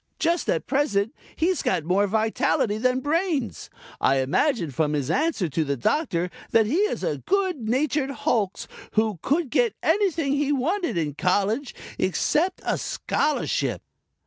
Just at present he's got more vitality than brains. I imagine from his answer to the Doctor that he is a good natured hulks who could get anything he wanted in college except a scholarship.